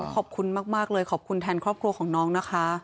ขอบคุณมากเลยขอบคุณแทนครอบครัวของน้องนะคะ